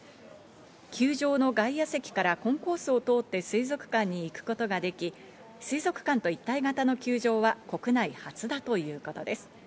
球場の外野席からコンコースを通って水族館に行くことができ、水族館と一体型の球場は国内初だということです。